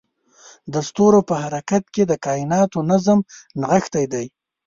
د ستورو په حرکت کې د کایناتو نظم نغښتی دی.